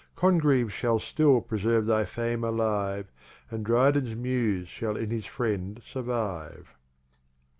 Congreve shall still preserve thy Fame alive And Dryden's Muse shall in his Friend survive.